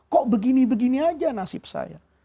kok begini begini aja nasib saya